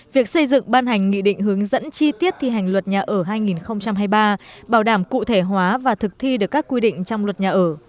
việc xây dựng ban hành nghị định hướng dẫn chi tiết thi hành luật nhà ở hai nghìn hai mươi ba bảo đảm cụ thể hóa và thực thi được các quy định trong luật nhà ở